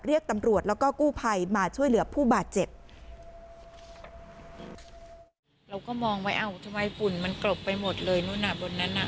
เรียกตำรวจแล้วก็กู้ภัยมาช่วยเหลือผู้บาดเจ็บ